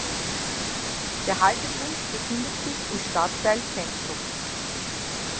Der Haltepunkt befindet sich im Stadtteil Zentrum.